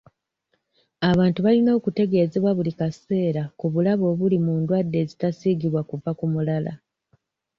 Abantu balina okutegeezebwa buli kaseera ku bulabe obuli mu ndwadde ezitasiigibwa okuva ku mulala.